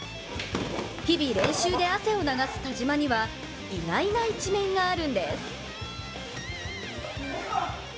日々、練習で汗を流す田嶋には意外な一面があるんです。